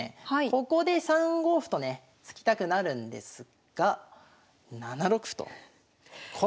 ここで３五歩とね突きたくなるんですが７六歩とこの一手ですね。